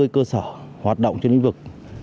ba mươi cơ sở hoạt động trên lĩnh vực